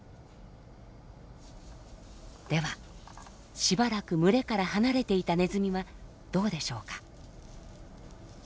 ではしばらく群れから離れていたネズミはどうでしょうか？